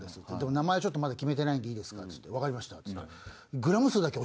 名前ちょっとまだ決めてないんでいいですかって言ってわかりましたって言ったら。